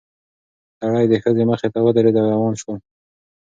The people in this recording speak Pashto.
سړی د ښځې مخې ته ودرېد او روان شول.